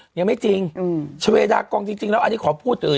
ยังไม่จริงชะเวดากองจริงแล้วอันนี้ขอพูดอื่น